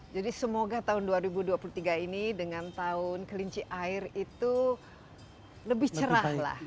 jadi semoga tahun dua ribu dua puluh tiga ini dengan tahun kelinci air itu lebih cerah lah